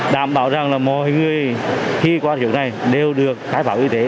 đảm bảo rằng mọi người khi qua trường này đều được khai pháo y tế